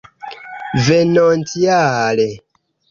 venontjare